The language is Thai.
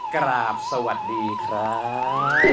กราบสวัสดีครับ